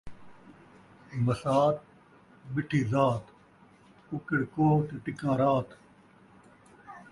مسات مٹھی ذات ، ککِڑ کوہ تے ٹکاں رات